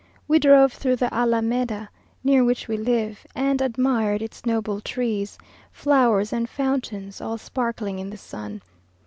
We drove through the Alameda, near which we live, and admired its noble trees, flowers, and fountains, all sparkling in the sun.